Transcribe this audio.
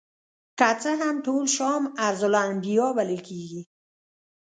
که څه هم ټول شام ارض الانبیاء بلل کیږي.